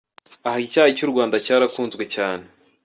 Aha icyayi cy’u Rwanda cyarakunzwe cyane.